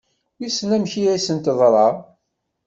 Wissen amek i asent-teḍra?